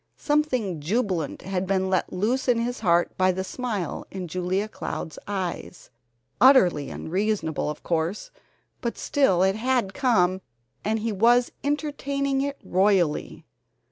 Something jubilant had been let loose in his heart by the smile in Julia Cloud's eyes, utterly unreasonable, of course, but still it had come, and he was entertaining it royally.